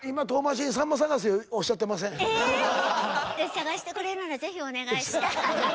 探してくれるならぜひお願いしたい。